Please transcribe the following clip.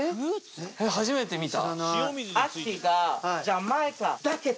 初めて見た！